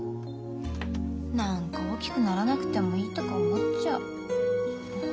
なんか大きくならなくてもいいとか思っちゃう。